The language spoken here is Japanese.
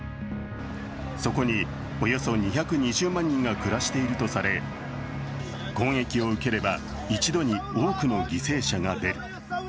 そこにおよそ２２０万人が暮らしているとされ攻撃を受ければ一度に多くの犠牲者が出る。